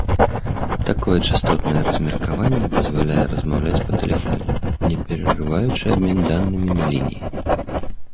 Такое частотнае размеркаванне дазваляе размаўляць па тэлефоне, не перарываючы абмен данымі на лініі.